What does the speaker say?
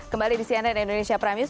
kembali di cnn indonesia prime news